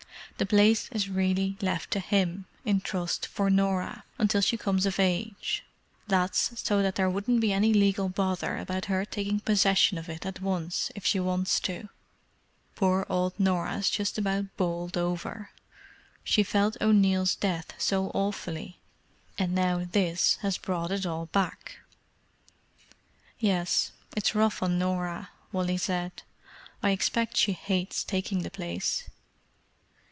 The place is really left to him, in trust for Norah, until she comes of age; that's so that there wouldn't be any legal bother about her taking possession of it at once if she wants to. Poor old Norah's just about bowled over. She felt O'Neill's death so awfully, and now this has brought it all back." "Yes, it's rough on Norah," Wally said. "I expect she hates taking the place."